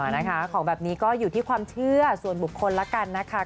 นะคะของแบบนี้ก็อยู่ที่ความเชื่อส่วนบุคคลแล้วกันนะคะ